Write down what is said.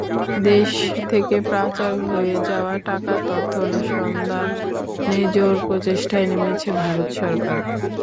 দেশ থেকে পাচার হয়ে যাওয়া টাকার তথ্য অনুসন্ধানে জোর প্রচেষ্টায় নেমেছে ভারত সরকার।